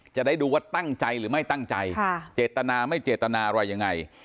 จะได้ดูว่าตั้งใจหรือไม่ตั้งใจเจตนาไม่เจตนาอะไรยังไง